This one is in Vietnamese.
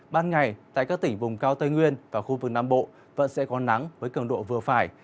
ban ngày tại các tỉnh vùng cao tây nguyên và khu vực nam bộ vẫn sẽ có nắng với cường độ vừa phải